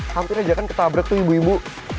hampir aja kan ketabrak tuh ibu ibu